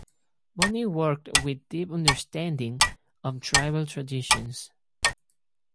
Bony worked with deep understanding of tribal traditions.